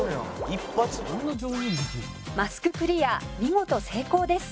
「一発」「マスククリア見事成功です」